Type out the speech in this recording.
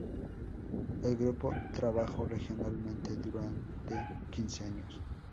El grupo trabajó regionalmente durante quince años.